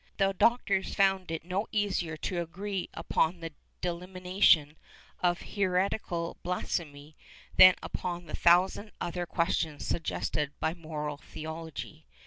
The doctors found it no easier to agree upon the delimitation of heretical blasphemy than upon the thousand other questions suggested by Moral Theology.